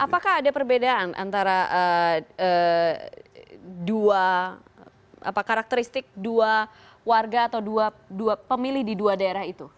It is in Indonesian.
apakah ada perbedaan antara dua karakteristik dua warga atau dua pemilih di dua daerah itu